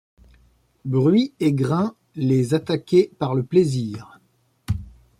Bruits et Grains Les attaquer par le plaisir.